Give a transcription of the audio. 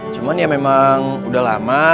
cuman ya memang udah lama